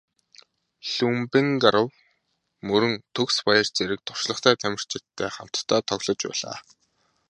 Лхүмбэнгарав, Мөрөн, Төгсбаяр зэрэг туршлагатай тамирчидтай хамтдаа тоглож байлаа.